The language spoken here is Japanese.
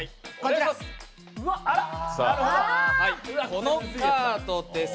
このカードです。